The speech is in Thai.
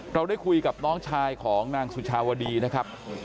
เราได้คุยกับน้องชายของนางสุชาวดีนะครับ